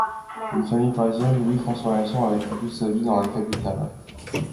D'une famille parisienne, Louis François Hérisson a vécu toute sa vie dans la capitale.